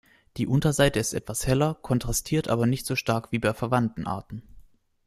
Die Unterseite ist etwas heller, kontrastiert aber nicht so stark wie bei verwandten Arten.